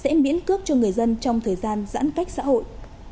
sẽ miễn cước cho người dân trong thời gian giãn cách xã hội